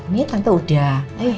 nih tante udah